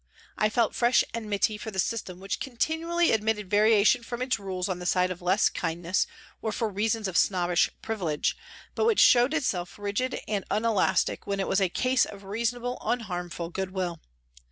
I felt fresh enmity for the system which continually admitted variation from its rules on the side of less kindness or for reasons of snobbish privilege, but which showed itself rigid and unelastic when it was a case of reasonable, unharmful good will.